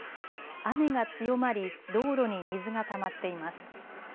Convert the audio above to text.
雨が強まり道路に水がたまっています。